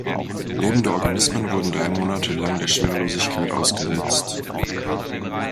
Lebende Organismen wurden drei Monate lang der Schwerelosigkeit ausgesetzt.